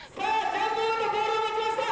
ジャンボ尾形ボールを持ちました！